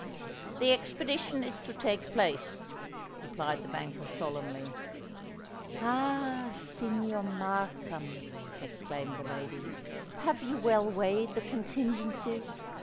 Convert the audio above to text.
"The expedition is to take place," replied the banker, solemnly. "Ah! Signor Markham," exclaimed the lady; "have you well weighed the contingencies?